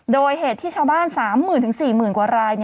โดยเหตุที่ชาวบ้าน๓หมื่นถึง๔หมื่นกว่าราย